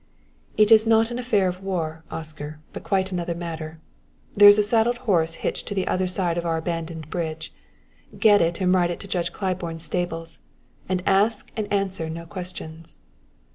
"It is not an affair of war, Oscar, but quite another matter. There is a saddled horse hitched to the other side of our abandoned bridge. Get it and ride it to Judge Claiborne's stables; and ask and answer no questions."